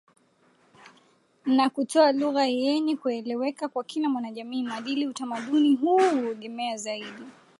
na kutoa lugha yenye kueleweka kwa kila mwanajamii Maadili Utamaduni huu huegemea zaidi